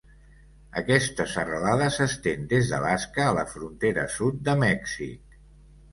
Aquesta serralada s'estén des d'Alaska a la frontera sud de Mèxic.